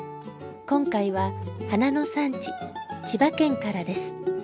今回は花の産地千葉県からです。